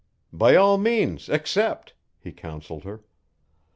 "By all means, accept," he counselled her.